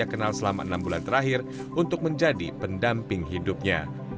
mereka kenal selama enam bulan terakhir untuk menjadi pendamping hidupnya